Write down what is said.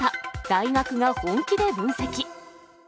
大学が本気で分析。